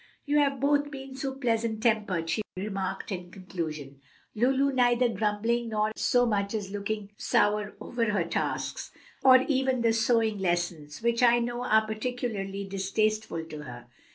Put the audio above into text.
"You have both been so pleasant tempered," she remarked in conclusion, "Lulu neither grumbling nor so much as looking sour over her tasks, or even the sewing lessons, which I know are particularly distasteful to her.